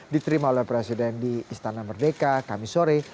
diterima oleh presiden di istana merdeka kamisore